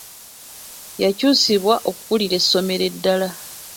Yakyusibwa okukuulira essomero eddala.